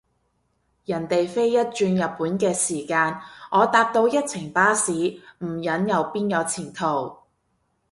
人哋飛一轉日本嘅時間，我搭到一程巴士，唔忍又邊有前途？